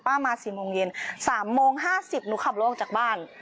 ป้ามาสี่โมงเย็น๓โมง๕๐ตั้งเปลือกออกจากบ้าน